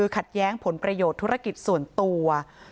ขัดแย้งผลประโยชน์ธุรกิจส่วนตัว